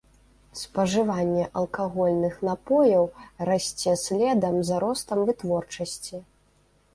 Спажыванне алкагольных напояў расце следам за ростам вытворчасці.